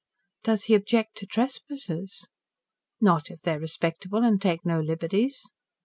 "Does he object to trespassers?" "Not if they are respectable and take no liberties."